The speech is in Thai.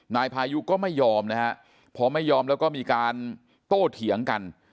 นายพายุก็ไม่ยอมนะฮะพอไม่ยอมแล้วก็มีการโต้เถียงกัน